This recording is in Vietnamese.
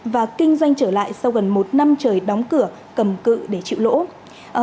và kinh doanh trở lại sau gần một năm trời đóng cửa cầm cự để chịu lỗ